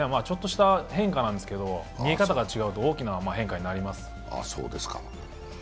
ちょっとした変化なんですが、見え方が違うと大きな変化になります。